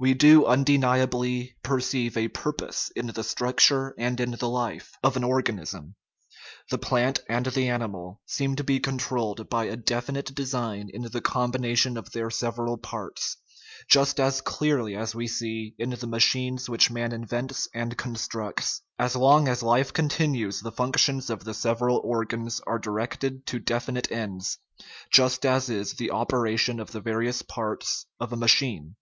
We do undeni ably perceive a purpose in the structure and in the life of an organism. The plant and the animal seem to be controlled by a definite design in the combination of their several parts, just as clearly as we see in the ma chines which man invents and constructs ; as long as life continues the functions of the several organs are directed to definite ends, just as is the operation of the various parts of a machine.